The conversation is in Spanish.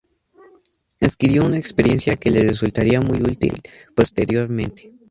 Adquirió una experiencia que le resultaría muy útil posteriormente.